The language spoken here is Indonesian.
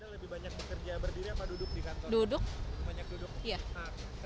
lebih banyak bekerja berdiri atau duduk di kantor